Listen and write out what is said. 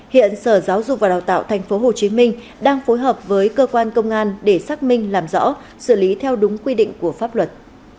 hiện sở giáo dục và đào tạo tp hcm đang phối hợp với cơ quan công an để xác minh làm rõ xử lý theo đúng quy định của pháp luật